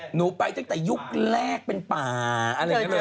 หนูไปตั้งแต่ยุคแรกเป็นป่าอะไรอย่างนี้เลย